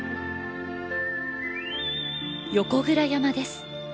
横倉山です。